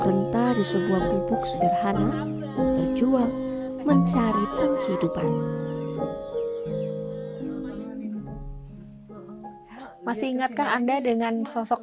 renta di sebuah gubuk sederhana berjuang mencari penghidupan masih ingatkah anda dengan sosok